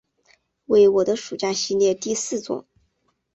为我的暑假系列第四作。